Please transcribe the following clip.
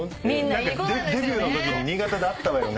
デビューのとき新潟で会ったわよね。